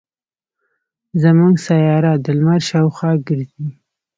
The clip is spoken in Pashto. زمونږ سیاره د لمر شاوخوا ګرځي.